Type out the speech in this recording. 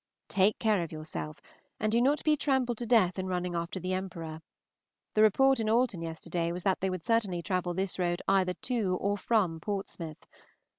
Take care of yourself, and do not be trampled to death in running after the Emperor. The report in Alton yesterday was that they would certainly travel this road either to or from Portsmouth.